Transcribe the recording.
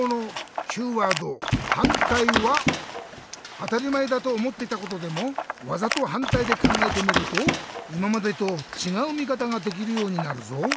あたりまえだとおもってたことでもわざとはんたいでかんがえてみるといままでとちがうみかたができるようになるぞ。